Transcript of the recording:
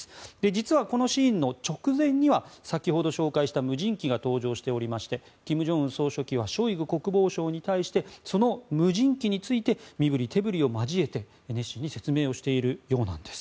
実はこのシーンの直前には先ほども紹介した無人機が登場しておりまして金正恩総書記はショイグ国防相に対してその無人機について身ぶり手ぶりを交えて熱心に説明しているようなんです。